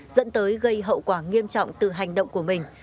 dẫn tới gây hậu quả nghiêm trọng từ hành động của mình